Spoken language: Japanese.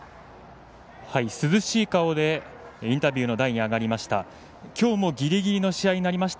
涼しい顔でインタビューの台に上がりました。